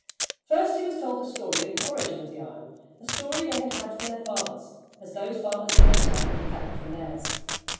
First he was told the story of the origin of the iron, a story they had had from their fathers, as those fathers, in their turn, had had it from theirs.